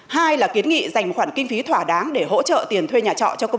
hai là kiến nghị dành khoản kinh phí thỏa đáng để hỗ trợ tiền thuê nhà trọ